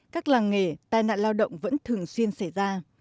các làng nghề tai nạn lao động vẫn thường xuyên xảy ra